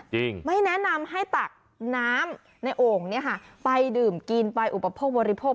ไม่แนะนำให้ตักน้ำในโอ่งเนี่ยค่ะไปดื่มกินไปอุปโภคบริโภค